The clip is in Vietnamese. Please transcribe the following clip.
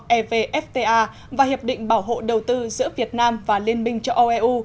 evfta và hiệp định bảo hộ đầu tư giữa việt nam và liên minh cho oeu